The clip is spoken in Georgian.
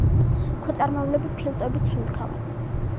ქვეწარმავლები ფილტვებით სუნთქავენ.